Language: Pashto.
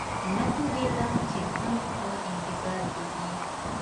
نه پوهېدم چې څه مې په انتظار کې دي